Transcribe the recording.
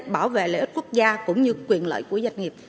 bảo vệ lợi ích quốc gia cũng như quyền lợi của doanh nghiệp